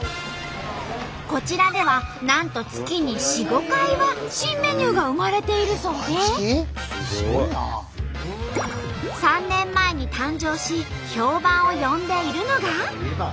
こちらではなんと月に４５回は新メニューが生まれているそうで３年前に誕生し評判を呼んでいるのが。